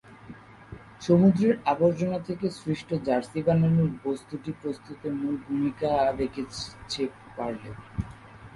সমুদ্রের আবর্জনা থেকে সৃষ্ট জার্সি বানানোর বস্তুটি প্রস্তুতে মূল ভূমিকা রেখেছে পারলে।